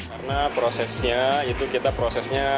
karena prosesnya itu kita prosesnya